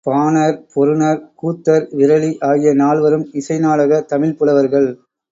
பாணர், பொருநர், கூத்தர், விரலி ஆகிய நால்வரும் இசை நாடக தமிழ்ப்புலவர்கள்.